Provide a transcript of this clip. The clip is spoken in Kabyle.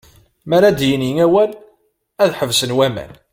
Mi ara d-yini awal, ad ḥebsen waman.